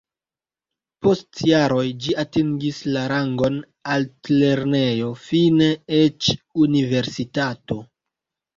Post jaroj ĝi atingis la rangon altlernejo, fine eĉ universitato.